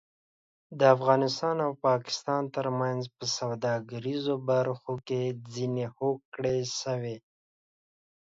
د افغانستان او پاکستان ترمنځ په سوداګریزه برخه کې ځینې هوکړې شوې